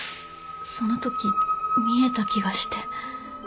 そのとき見えた気がして。